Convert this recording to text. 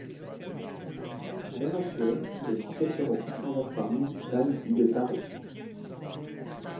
À l'heure actuelle, il est professeur au Conservatoire municipal du de Paris.